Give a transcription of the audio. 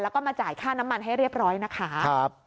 แล้วก็มาจ่ายค่าน้ำมันให้เรียบร้อยนะคะ